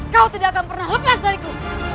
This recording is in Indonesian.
kau tidak akan pernah lepas dariku